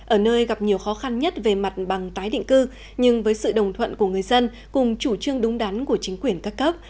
ở nơi gặp nhiều khó khăn nhất về mặt bằng tái định cư nhưng với sự đồng thuận của người dân cùng chủ trương đúng đắn của chính quyền các cấp